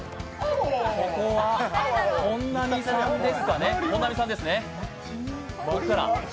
ここは本並さんですね。